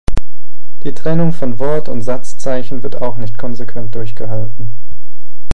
Die Trennung von Wort- und Satzzeichen wird auch nicht konsequent durchgehalten.